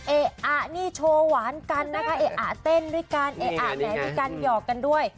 เอะอะนี่โชว์หวานกันนะคะเอะอะเต้นด้วยกันเอะอะแหน่ดด้วยกันหยอกกันด้วย